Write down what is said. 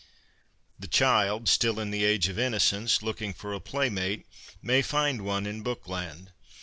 The child, still in the ' Age of Innocence,' looking for a playmate, may find one in Bookland.